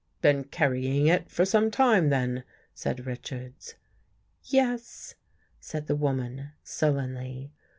"Been carrying it for some time, then?" said Richards. " Yes," said the woman sullenly.